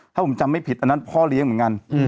ถ้าผมจำไม่ผิดอันนั้นพ่อเลี้ยงเหมือนกัน